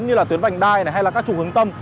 như là tuyến vành đai hay là các trục hướng tâm